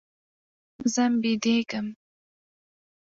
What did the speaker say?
ځم بيدېږم.